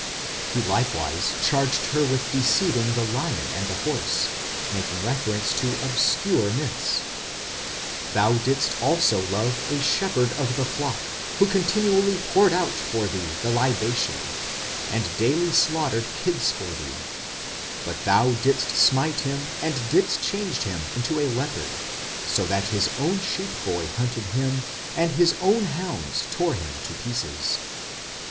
He likewise charged her with deceiving the lion and the horse, making reference to obscure myths: Thou didst also love a shepherd of the flock, Who continually poured out for thee the libation, And daily slaughtered kids for thee; But thou didst smite him and didst change him into a leopard, So that his own sheep boy hunted him, And his own hounds tore him to pieces.